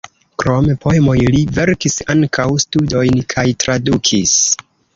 Krom poemoj li verkis ankaŭ studojn kaj tradukis.